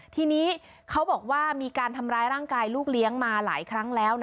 ทีนี้เขาบอกว่ามีการทำร้ายร่างกายลูกเลี้ยงมาหลายครั้งแล้ว